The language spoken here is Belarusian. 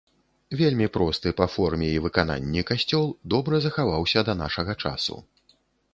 Вельмі просты па форме і выкананні касцёл добра захаваўся да нашага часу.